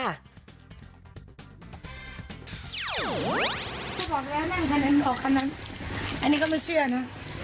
คือบอกแล้วนั่งคันนั้นออกคันนั้นอันนี้ก็ไม่เชื่อนะ